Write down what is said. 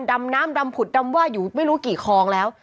ดำน้ำดำผุดดำว่าอยู่ไม่รู้กี่คลองแล้ว